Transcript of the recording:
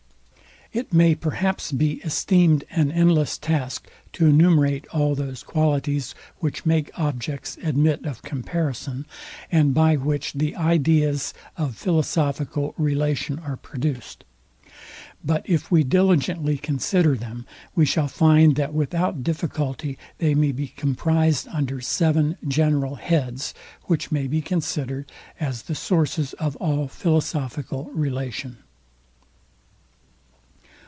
It may perhaps be esteemed an endless task to enumerate all those qualities, which make objects admit of comparison, and by which the ideas of philosophical relation are produced. But if we diligently consider them, we shall find that without difficulty they may be comprised under seven general heads, which may be considered as the sources of all philosophical relation.